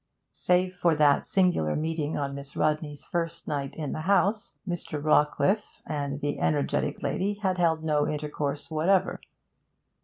Save for that singular meeting on Miss Rodney's first night in the house, Mr. Rawcliffe and the energetic lady had held no intercourse whatever.